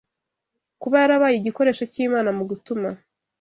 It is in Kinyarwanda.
kuba yarabaye igikoresho cy’Imana mu gutuma